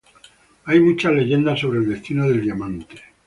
Hay muchas leyendas sobre el destino del diamante.